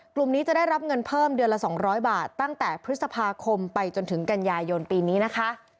กลุ่มนี้จะได้รับเงินเพิ่มเดือนละ๒๐๐บาทตั้งแต่พฤษภาคมไปจนถึงกันยายนปีนี้นะคะ